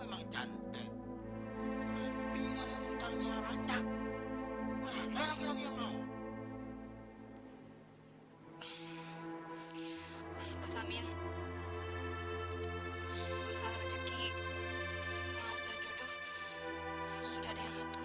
gua bahasa schritt